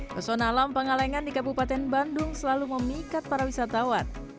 pesona alam pengalengan di kabupaten bandung selalu memikat para wisatawan